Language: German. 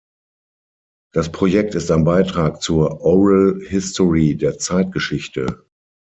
Das Projekt ist ein Beitrag zur Oral History der Zeitgeschichte.